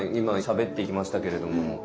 今しゃべってきましたけれども。